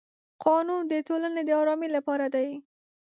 قانون د ټولنې د ارامۍ لپاره دی.